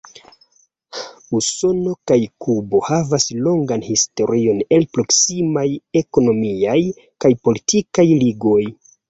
Usono kaj Kubo havas longan historion el proksimaj ekonomiaj kaj politikaj ligoj.